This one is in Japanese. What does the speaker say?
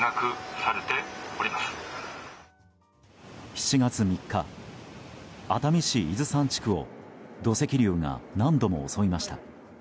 ７月３日、熱海市伊豆山地区を土石流が何度も襲いました。